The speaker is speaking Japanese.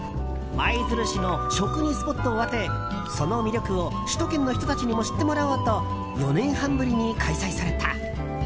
舞鶴市の食にスポットを当てその魅力を首都圏の人たちにも知ってもらおうと４年半ぶりに開催された。